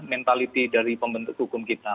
mentality dari pembentuk hukum kita